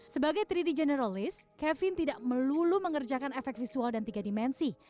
sebagai tiga d generalist kevin tidak melulu mengerjakan efek visual dan tiga dimensi